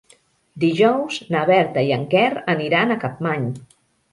Dijous na Berta i en Quer aniran a Capmany.